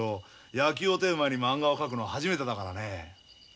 野球をテーマにまんがを描くのは初めてだからね。